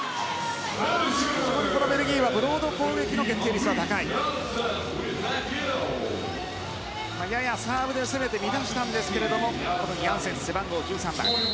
非常にベルギーはブロード攻撃の決定率が高い。ややサーブで攻めて乱したんですがヤンセンス、背番号１３番。